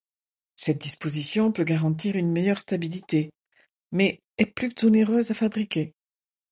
Cette disposition peut garantir une meilleure stabilité, mais est plus onéreuse à fabriquer.